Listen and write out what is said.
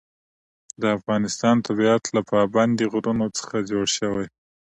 د افغانستان طبیعت له پابندی غرونه څخه جوړ شوی دی.